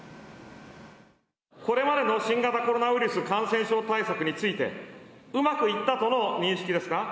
これまでの新型コロナウイルス感染症対策について、うまくいったとの認識ですか。